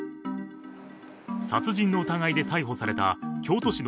殺人の疑いで逮捕された京都市の